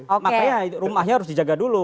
makanya rumahnya harus dijaga dulu